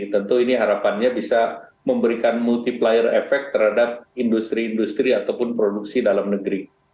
tentu ini harapannya bisa memberikan multiplier efek terhadap industri industri ataupun produksi dalam negeri